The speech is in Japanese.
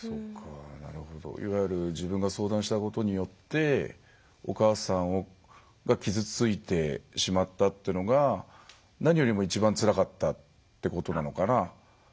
いわゆる自分が相談したことによってお母さんが傷ついてしまったっていうのが何よりも一番つらかったっていうことなのかな。